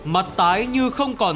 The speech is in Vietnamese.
mặt tái nhưng không có mức án